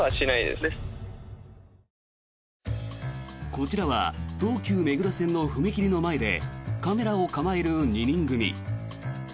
こちらは東急目黒線の踏切の前でカメラを構える２人組。